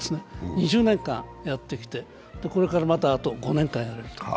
２０年間やってきてこれからまだあと５年間やると。